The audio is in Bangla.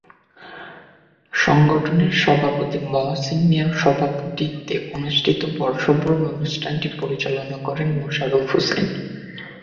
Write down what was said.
সংগঠনের সভাপতি মহসীন মিয়ার সভাপতিত্বে অনুষ্ঠিত বর্ষবরণ অনুষ্ঠানটি পরিচালনা করেন মোশাররফ হোসাইন।